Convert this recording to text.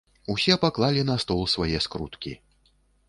Усе паклалі на стол свае скруткі.